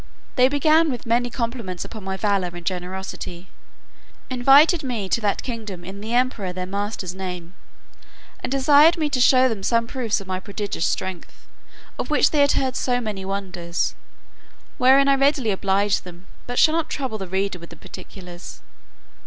They began with many compliments upon my valour and generosity, invited me to that kingdom in the emperor their master's name, and desired me to show them some proofs of my prodigious strength, of which they had heard so many wonders; wherein I readily obliged them, but shall not trouble the reader with the particulars.